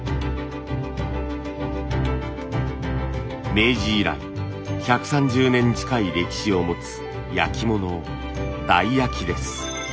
明治以来１３０年近い歴史を持つ焼き物台焼です。